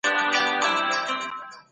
د دواړو هيلو ترمنځ تضاد هم شته.